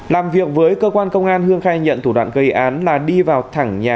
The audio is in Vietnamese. làm việc với cơ quan công an hương khai nhận thủ đoạn gây án là đi vào thẳng nhà